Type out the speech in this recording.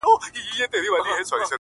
د زړه ساعت كي مي پوره يوه بجه ده گراني ‘